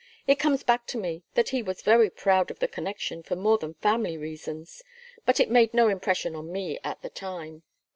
It comes back to me that he was very proud of the connection for more than family reasons, but it made no impression on me at the time."